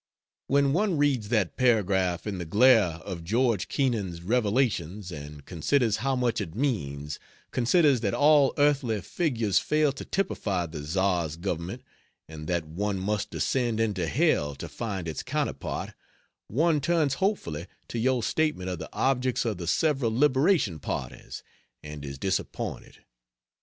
When one reads that paragraph in the glare of George Kennan's revelations, and considers how much it means; considers that all earthly figures fail to typify the Czar's government, and that one must descend into hell to find its counterpart, one turns hopefully to your statement of the objects of the several liberation parties and is disappointed.